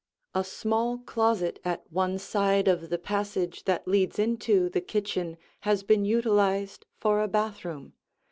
A small closet at one side of the passage that leads into the kitchen has been utilized for a bathroom.